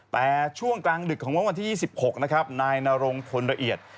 แต่ช่วงกลางนึกของวันวันที่๑๖นนายนรงคลละเอียด